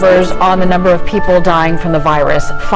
berita tentang jumlah orang yang meninggal dari virus